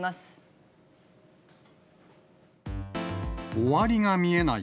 終わりが見えない